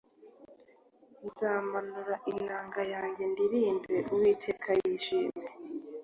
nzamanura inanga yanjye ndirimbe uwiteka yishime